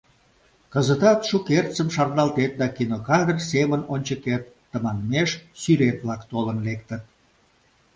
Кызытат, шукертсым шарналтет да кинокадр семын ончыкет тыманмеш сӱрет-влак толын лектыт.